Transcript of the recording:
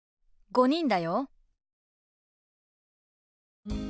「５人だよ」。